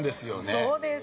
そうです。